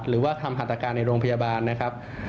หรือว่าทำหัตการในโรงพยาบาลนะครับ